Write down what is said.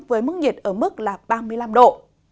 với mức nhiệt ở mức là ba mươi năm độ